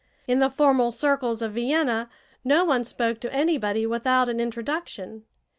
In the formal circles of Vienna no one spoke to anybody without an introduction.